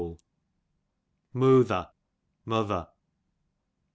Moother, mother.